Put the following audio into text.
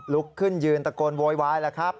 ลุกขึ้นยืนตะโกนโวยวายแล้วครับ